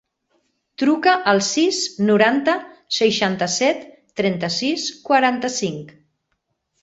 Truca al sis, noranta, seixanta-set, trenta-sis, quaranta-cinc.